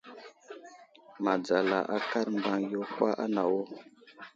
Madzala akaɗ mbaŋ yo kwa anawo.